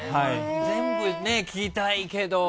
全部聞きたいけど。